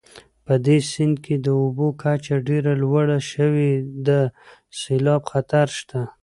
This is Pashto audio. په دې سیند کې د اوبو کچه ډېره لوړه شوې د سیلاب خطر شته